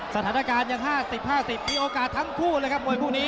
ศนาการอัง๕๐๕๐มีโอกาสทางคู่นะครับ